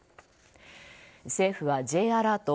政府は、Ｊアラート